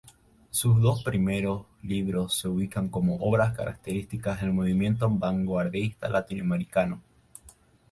Sus dos primeros libros se ubican como obras características del movimiento vanguardista latinoamericano.